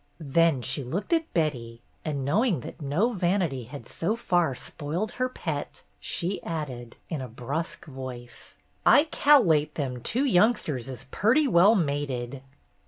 Then she looked at Betty, and knowing that no vanity had so far spoiled her pet, she added, in a brusque voice, "I cal'late them two youngsters is purty well mated."